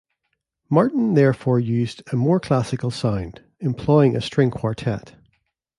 Martin therefore used a more classical sound, employing a string quartet.